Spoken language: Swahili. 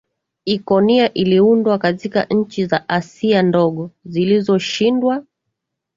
Ikonia iliundwa katika nchi za Asia Ndogo zilizoshindwa